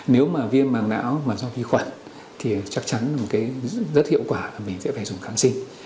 nếu mà viêm mảng não mà do vi khuẩn thì chắc chắn là một cái rất hiệu quả là mình sẽ phải dùng kháng sinh